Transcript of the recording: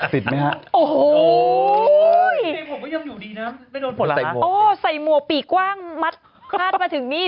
พี่เจมส์ผมก็ยังอยู่ดีนะไม่โดนผลล้าโอ้ใส่หมัวปีกกว้างมัดมาถึงนี่